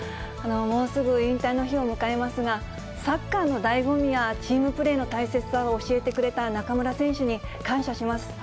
もうすぐ引退の日を迎えますが、サッカーのだいご味やチームプレーの大切さを教えてくれた中村選手に、感謝します。